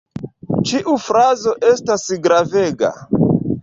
Ĉiu frazo estas gravega.